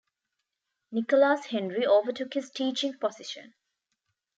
Nicolas-Henri overtook his teaching position.